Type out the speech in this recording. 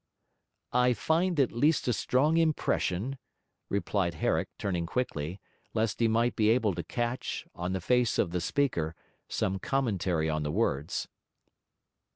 'I find at least a strong impression,' replied Herrick, turning quickly, lest he might be able to catch, on the face of the speaker, some commentary on the words.